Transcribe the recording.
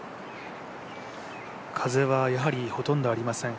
風はやはりほとんどありません。